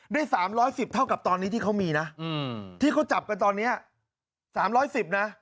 ได้๓๑๐เท่ากับตอนนี้ที่เขามีนะที่เขาจับกันตอนนี้๓๑๐นะ